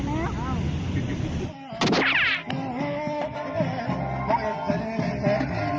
สวัสดีครับทุกคน